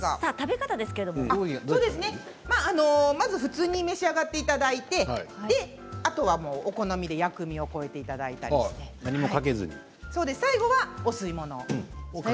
まず普通に召し上がっていただいてお好みで薬味を加えていただいて最後はお吸い物。